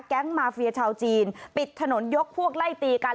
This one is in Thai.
มาเฟียชาวจีนปิดถนนยกพวกไล่ตีกัน